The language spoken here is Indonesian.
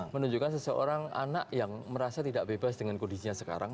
menunjukkan seseorang anak yang merasa tidak bebas dengan kondisinya sekarang